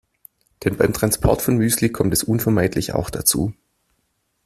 Denn beim Transport von Müsli kommt es unvermeidlich auch dazu.